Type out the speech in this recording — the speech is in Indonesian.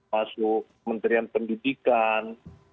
masuk menterian pendidikan